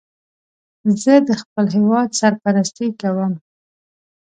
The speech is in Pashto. زه د خپل هېواد سرپرستی کوم